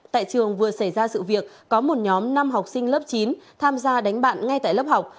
tại trường vừa xảy ra sự việc có một nhóm năm học sinh lớp chín tham gia đánh bạn ngay tại lớp học